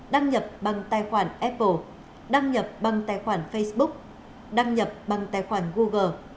đăng nhập bằng tài khoản apple đăng nhập bằng tài khoản facebook đăng nhập bằng tài khoản google